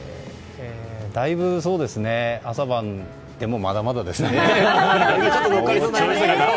だいぶ朝晩でも、まだまだですかね。